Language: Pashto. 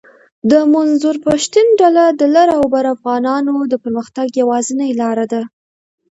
د منظور پشتین ډله د لر اوبر افغانانو د پرمختګ یواځنۍ لار ده